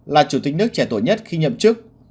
là chủ tịch nước trẻ tuổi nhất khi nhậm chức